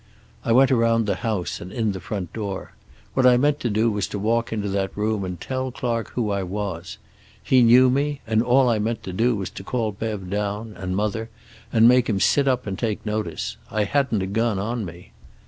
"I went around the house and in the front door. What I meant to do was to walk into that room and tell Clark who I was. He knew me, and all I meant to do was to call Bev down, and mother, and make him sit up and take notice. I hadn't a gun on me.